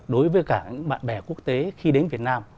đối với cả bạn bè quốc tế khi đến việt nam